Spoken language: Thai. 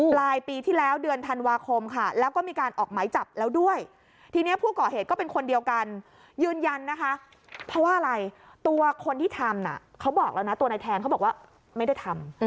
ปลายปีที่แล้วเดือนธันวาคมค่ะแล้วก็มีการออกหมายจับแล้วด้วยทีนี้ผู้ก่อเหตุก็เป็นคนเดียวกันยืนยันนะคะเพราะว่าอะไรตัวคนที่ทำเขาบอกแล้วนะตัวนายแทนเขาบอกว่าไม่ได้ทำ